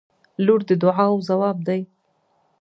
• لور د دعاوو ځواب دی.